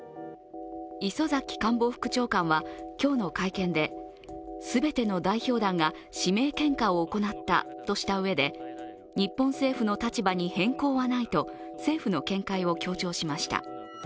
磯崎官房副長官は今日の会見で、全ての代表団が指名献花を行ったとしたうえで日本政府の立場に変更はないと政府の見解を強調しました。